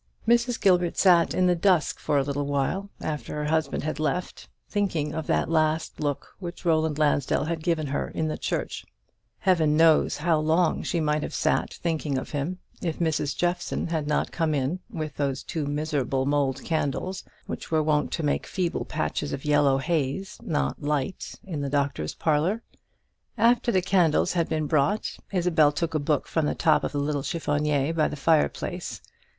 Mrs. Gilbert sat in the dusk for a little while after her husband had left her, thinking of that last look which Roland Lansdell had given her in the church. Heaven knows how long she might have sat thinking of him, if Mrs. Jeffson had not come in with those two miserable mould candles, which were wont to make feeble patches of yellow haze, not light, in the doctor's parlour. After the candles had been brought Isabel took a book from the top of the little chiffonier by the fireplace.